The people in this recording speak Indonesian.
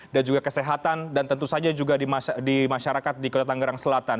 dan juga kesehatan dan tentu saja juga di masyarakat di kota tangerang selatan